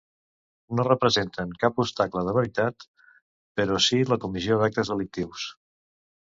No representen cap obstacle de veritat però sí la comissió d'actes delictius.